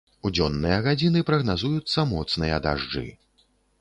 У дзённыя гадзіны прагназуюцца моцныя дажджы.